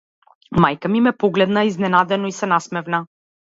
Мајка ми ме погледна изненадено и се насмевна.